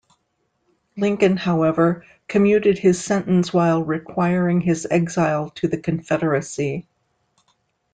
Lincoln, however, commuted his sentence while requiring his exile to the Confederacy.